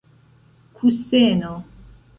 kuseno